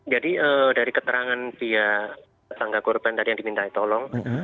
jadi dari keterangan pihak tangga korban yang dimintai tolong